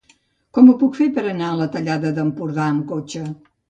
Com ho puc fer per anar a la Tallada d'Empordà amb cotxe?